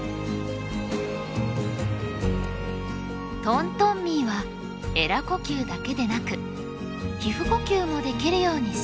トントンミーはえら呼吸だけでなく皮膚呼吸もできるように進化。